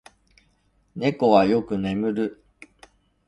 猫はよく眠る。